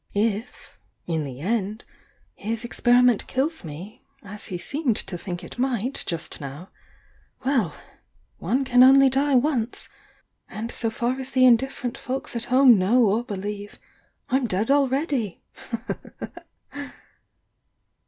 If — in the end — his experiment kills me — as he seemed to think it might, just now — well! — one can only die once! — and so far as the indifferent folks at home know or believe, I'm dead already!"